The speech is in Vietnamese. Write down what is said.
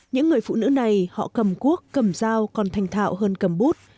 những người phụ nữ này họ cầm cuốc cầm dao còn thành thạo hơn cầm bút